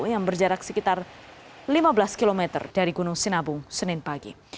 yang berjarak sekitar lima belas km dari gunung sinabung senin pagi